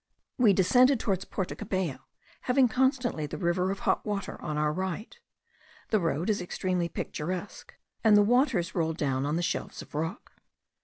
We descended towards Porto Cabello, having constantly the river of hot water on our right. The road is extremely picturesque, and the waters roll down on the shelves of rock.